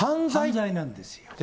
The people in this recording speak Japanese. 犯罪なんですよ。